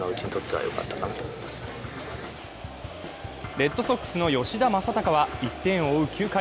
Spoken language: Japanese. レッドソックスの吉田正尚は、１点を追う９回。